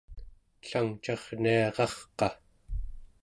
ellangcarniara'rqa